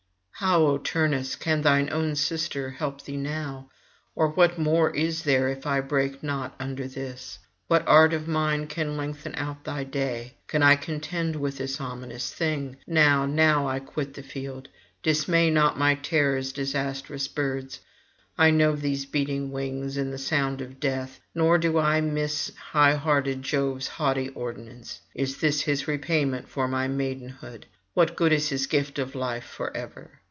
'How, O Turnus, can thine own sister help thee now? or what more is there if I break not under this? What art of mine can lengthen out thy day? can I contend with this ominous thing? Now, now I quit the field. Dismay not my terrors, disastrous birds; I know these beating wings, and the sound of death, nor do I miss high hearted Jove's haughty ordinance. Is this his repayment for my maidenhood? what good is his gift of life for ever?